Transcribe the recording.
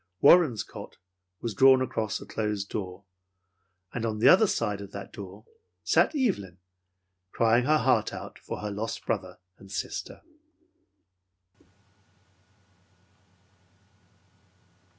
Warren's cot was drawn across a closed door. And on the other side of that door sat Evelyn, crying her heart out for her lost brother and sister!